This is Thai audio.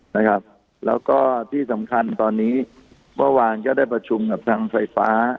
นะครับแล้วก็ที่สำคัญตอนนี้เมื่อวานก็ได้ประชุมกับทางไฟฟ้า